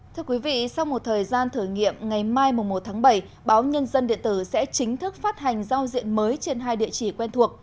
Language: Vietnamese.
thưa quý vị sau một thời gian thử nghiệm ngày mai một tháng bảy báo nhân dân điện tử sẽ chính thức phát hành giao diện mới trên hai địa chỉ quen thuộc